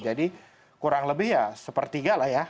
jadi kurang lebih ya sepertiga lah ya